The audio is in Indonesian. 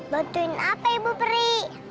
bantuin apa ibu peri